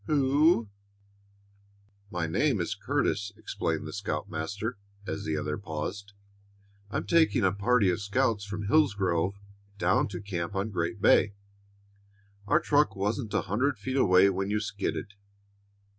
"Who " "My name is Curtis," explained the scoutmaster, as the other paused. "I'm taking a party of scouts from Hillsgrove down to camp on Great Bay. Our truck wasn't a hundred feet away when you skidded."